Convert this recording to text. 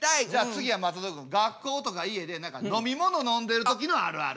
次は松本君学校とか家で何か飲み物飲んでる時のあるある。